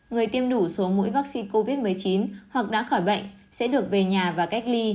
người tiêm đủ số mũi vaccine covid một mươi chín hoặc đã khỏi bệnh sẽ được về nhà và cách ly